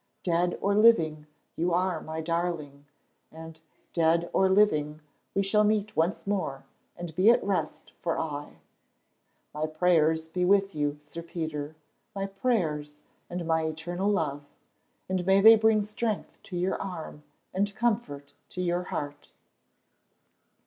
Dead or living you are my darling, and dead or living we shall meet once more and be at rest for aye. My prayers be with you, Sir Peter, my prayers and my eternal love, and may they bring strength to your arm and comfort to your heart."